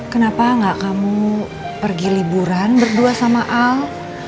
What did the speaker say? kenapa gak kamu pergi liburan berdua sama al